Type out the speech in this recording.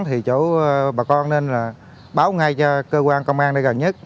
thì chỗ bà con nên là báo ngay cho cơ quan công an nơi gần nhất